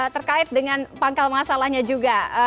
terkait dengan pangkal masalahnya juga